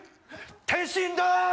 天心だ